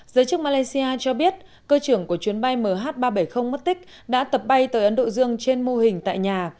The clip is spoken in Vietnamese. giới chức malaysia cho biết cơ trưởng của chuyến bay mh ba trăm bảy mươi mất tích đã tập bay tới ấn độ dương trên mô hình tại nhà